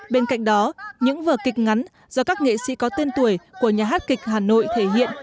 bên cạnh đó những vở kịch ngắn do các nghệ sĩ có tên tuổi của nhà hát kịch hà nội thể hiện